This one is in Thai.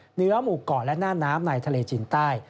เหนือหมู่เกาะและหน้าน้ำในทะเลจีนใต้